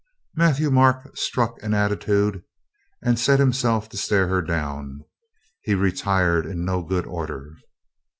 Matthieu Marc struck an attitude and set himself to stare her down. He retired in no good order.